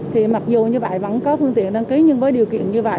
thì mặc dù như vậy vẫn có phương tiện đăng ký nhưng với điều kiện như vậy